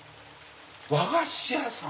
和菓子屋さん！